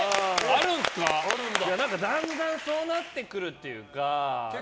だんだんそうなってくるっていうか。